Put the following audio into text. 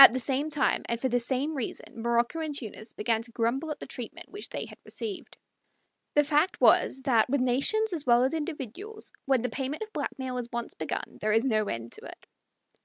At the same time, and for the same reason, Morocco and Tunis began to grumble at the treatment which they had received. The fact was that, with nations as with individuals, when the payment of blackmail is once begun there is no end to it.